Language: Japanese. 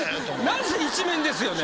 何せ１面ですよね。